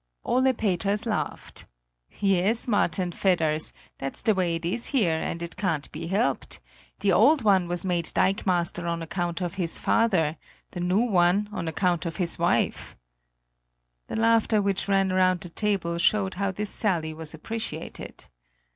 Ole Peters laughed. "Yes, Marten Fedders, that's the way it is here, and it can't be helped: the old one was made dikemaster on account of his father, the new one on account of his wife." The laughter which ran round the table showed how this sally was appreciated.